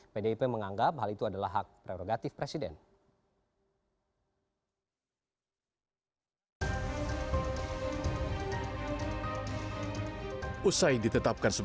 pdip menganggap hal itu adalah hak prerogatif presiden